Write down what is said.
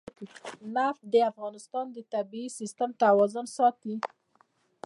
نفت د افغانستان د طبعي سیسټم توازن ساتي.